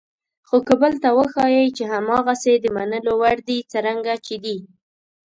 خو که بل ته وښایئ چې هماغسې د منلو وړ دي څرنګه چې دي.